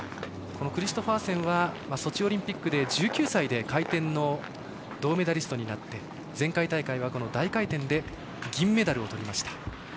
クリストファーセンはソチオリンピックで１９歳で回転の銅メダリストになって前回大会は、この大回転で銀メダルをとりました。